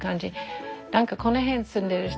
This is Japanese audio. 何かこの辺住んでる人